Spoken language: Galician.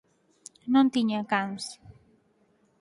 Non tiña cans.